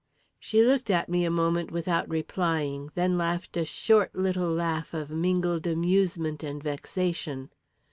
She looked at me a moment without replying, then laughed a short, little laugh of mingled amusement and vexation.